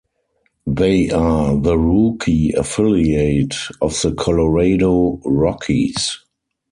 They are the Rookie affiliate of the Colorado Rockies.